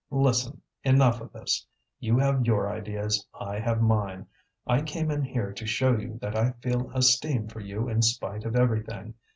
"Listen! enough of this. You have your ideas, I have mine. I came in here to show you that I feel esteem for you in spite of everything.